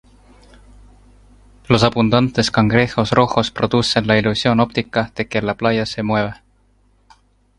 Los abundantes cangrejos rojos producen la ilusión óptica de que la playa se mueve.